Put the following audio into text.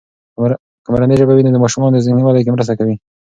که مورنۍ ژبه وي، نو د ماشومانو ذهني ودې کې مرسته کوي.